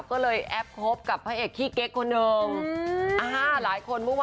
เขาบอกว่าเป็นเรื่องมหัศจรรย์มาก